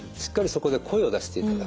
そこで声を出していただく。